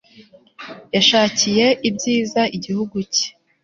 yashakiye ibyiza igihugu cye